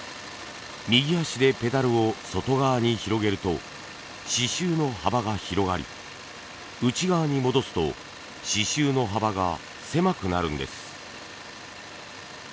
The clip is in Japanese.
右足でペダルを外側に広げると刺繍の幅が広がり内側に戻すと刺繍の幅が狭くなるんです。